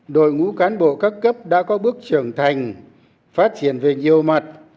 đội ngũ cán bộ các cấp đã có bước trưởng thành phát triển về nhiều mặt